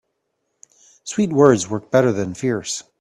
Sweet words work better than fierce.